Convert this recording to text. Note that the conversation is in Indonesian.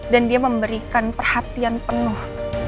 dan dia memberikan perhatian penuh